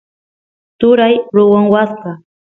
turay ruwan waska